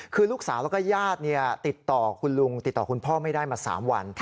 คือลูกสาวและย่าติดต่อคุณลุงไม่ได้ไหมต่อสามวัน